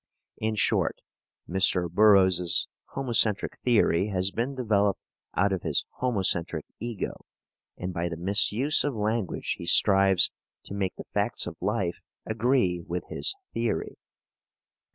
In short, Mr. Burroughs's homocentric theory has been developed out of his homocentric ego, and by the misuse of language he strives to make the facts of life agree with his theory.